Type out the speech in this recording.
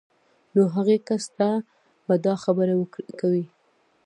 نو هغې کس ته به دا خبره کوئ